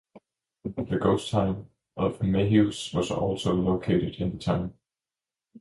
The ghost town of Mayhews was also located in the town.